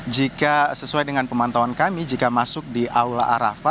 jika sesuai dengan pemantauan kami jika masuk di aula arafah